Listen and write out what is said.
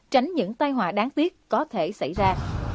tránh những tai họa đáng tiếc có thể xảy ra